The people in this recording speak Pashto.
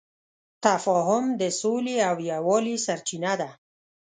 تفاهم د سولې او یووالي سرچینه ده.